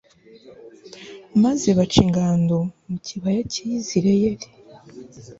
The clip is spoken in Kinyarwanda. maze baca ingando mu kibaya cy'i yizireyeli